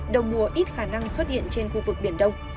đầu mùa ít khả năng xuất hiện trên khu vực biển đông